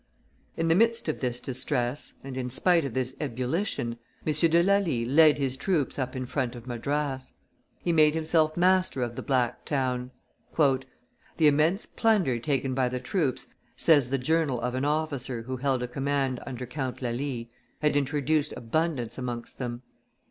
In the midst of this distress, and in spite of this ebullition, M. de Lally led his troops up in front of Madras; he made himself master of the Black Town. "The immense plunder taken by the troops," says the journal of an officer who held a command under Count Lally, "had introduced abundance amongst them.